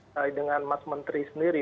baik dengan mas menteri sendiri